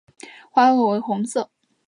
花萼为红色。